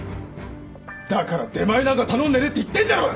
だから出前なんか頼んでねえって言ってんだろ！